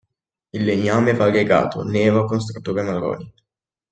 Il legname è variegato, nero con striature marroni.